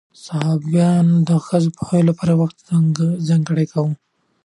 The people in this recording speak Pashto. صحابیانو به د ښځو د پوهاوي لپاره وخت ځانګړی کاوه.